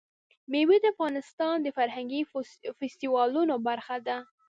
مېوې د افغانستان د فرهنګي فستیوالونو برخه ده.